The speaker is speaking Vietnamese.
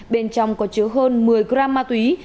bên trong có chứa hơn một mươi gram ma túy